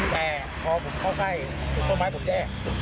แต่พอผมเข้าใกล้ต้นไม้ผมแย่